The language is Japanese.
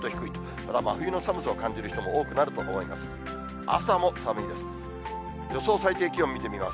これは真冬の寒さを感じる人も多くなると思います。